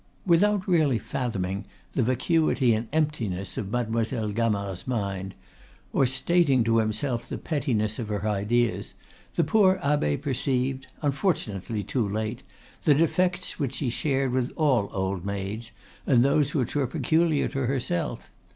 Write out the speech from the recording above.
Without really fathoming the vacuity and emptiness of Mademoiselle Gamard's mind, or stating to himself the pettiness of her ideas, the poor abbe perceived, unfortunately too late, the defects which she shared with all old maids, and those which were peculiar to herself.